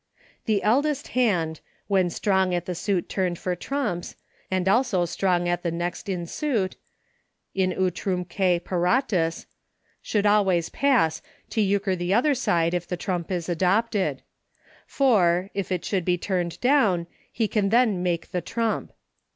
The eldest hand, when strong at the suit turned for trumps, and also strong at the next in suit — in utrumque paratus — should always pass to Euchre the other side if the trump is adopted ; for, if it should be turned down he 7 114 EUCHHK. can then make the trump.